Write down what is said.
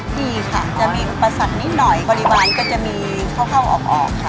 ที่ค่ะจะมีอุปสรรคนิดหน่อยบริวารก็จะมีเข้าออกค่ะ